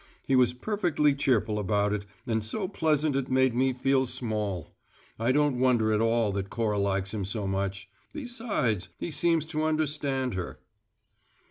He was perfectly cheerful about it and so pleasant it made me feel small. I don't wonder at all that Cora likes him so much. Besides, he seems to understand her."